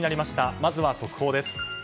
まずは速報です。